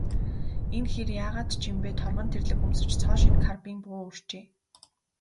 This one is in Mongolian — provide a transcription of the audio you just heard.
Энэ хэр яагаад ч юм бэ, торгон тэрлэг өмсөж, цоо шинэ карбин буу үүрчээ.